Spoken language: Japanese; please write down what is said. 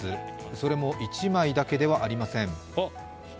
それも１枚だけではありません。